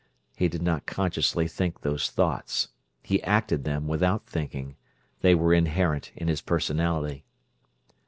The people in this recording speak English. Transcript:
He did not consciously think those thoughts. He acted them without thinking; they were inherent in his personality.